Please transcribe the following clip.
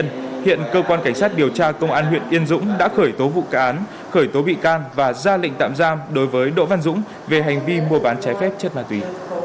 trong cơ quan cảnh sát điều tra công an huyện yên dũng đã khởi tố vụ án khởi tố bị can và ra lệnh tạm giam đối với đỗ văn dũng về hành vi mua bán trái phép chất ma túy